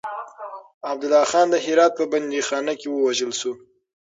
عبدالله خان د هرات په بنديخانه کې ووژل شو.